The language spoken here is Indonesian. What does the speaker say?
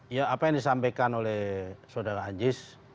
ya apa yang disampaikan oleh saudara anjis